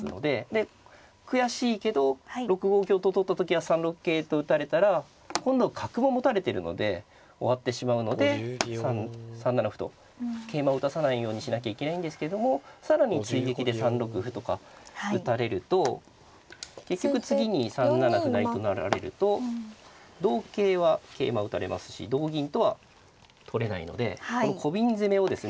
で悔しいけど６五香と取った時は３六桂と打たれたら今度角も持たれてるので終わってしまうので３七歩と桂馬を打たさないようにしなきゃいけないんですけども更に追撃で３六歩とか打たれると結局次に３七歩成と成られると同桂は桂馬打たれますし同銀とは取れないのでこのコビン攻めをですね。